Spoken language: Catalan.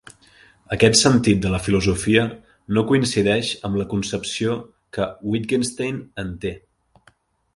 Aquest sentit de la filosofia no coincideix amb la concepció que Wittgenstein en té.